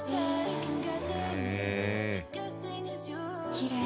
きれい。